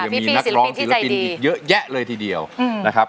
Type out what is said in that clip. ยังมีนักร้องศิลปินอีกเยอะแยะเลยทีเดียวนะครับ